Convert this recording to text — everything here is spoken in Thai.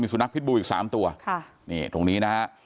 มีสุนัขพิษบูรณ์อีก๓ตัวนี่ตรงนี้นะฮะ